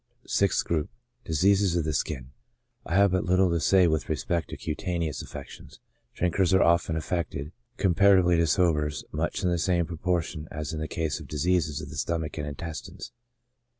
Sixth Group : Diseases of the Skin. — I have but little to say with respect to cutaneous affections ; drinkers are af fected, comparatively to sobers, much in the same propor tion as in the case of diseases of the stomach and intestines.